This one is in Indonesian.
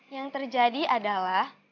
yang terjadi adalah